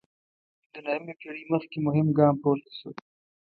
د نهمې پېړۍ مخکې مهم ګام پورته شو.